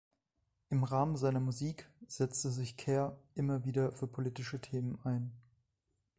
Im Rahmen seiner Musik setzte sich Kerr immer wieder für politische Themen ein.